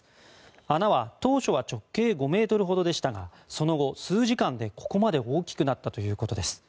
穴は当初は直径５ｍほどでしたがその後、数時間でここまで大きくなったということです。